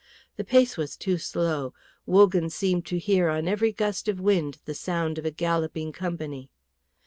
The pace was too slow; Wogan seemed to hear on every gust of wind the sound of a galloping company.